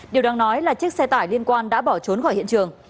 điều đáng nói là chiếc xe tải liên quan đã bỏ trốn khỏi hiện trường